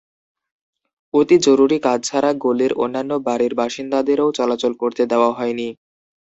অতি জরুরি কাজ ছাড়া গলির অন্যান্য বাড়ির বাসিন্দাদেরও চলাচল করতে দেওয়া হয়নি।